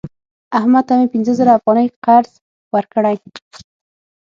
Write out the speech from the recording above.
احمد ته مې پنځه زره افغانۍ قرض ورکړی